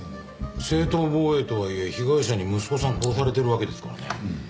正当防衛とはいえ被害者に息子さん殺されてるわけですからね。